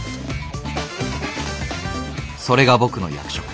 それが僕の役職。